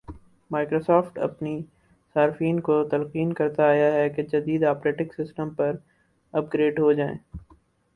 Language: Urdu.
مائیکروسافٹ اپنے صارفین کو تلقین کرتا آیا ہے کہ جدید آپریٹنگ سسٹمز پر اپ گریڈ ہوجائیں